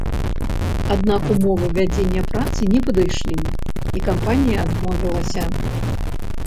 Аднак умовы вядзення працы не падышлі, і кампанія адмовілася.